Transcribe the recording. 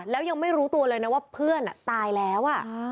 แล้วยังไม่รู้ตัวเลยนะว่าเพื่อนตายแล้ว